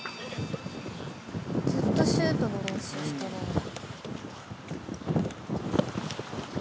ずっとシュートの練習してるんだ。